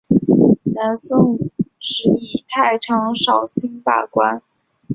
南宋时以太常少卿罢官。